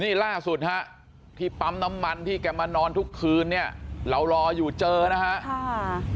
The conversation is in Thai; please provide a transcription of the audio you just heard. นี่ล่าสุดฮะที่ปั๊มน้ำมันที่แกมานอนทุกคืนเนี่ยเรารออยู่เจอนะฮะ